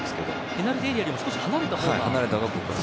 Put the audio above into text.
ペナルティーエリアよりも少し離れたほうが？